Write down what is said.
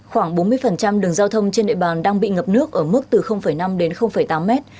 khoảng bốn mươi đường giao thông trên địa bàn đang bị ngập nước ở mức từ năm đến tám mét